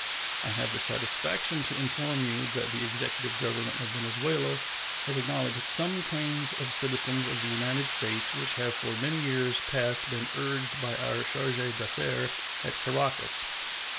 I have the satisfaction to inform you that the executive government of Venezuela has acknowledged some claims of citizens of the United States which have for many years past been urged by our charge d'affaires at Caracas.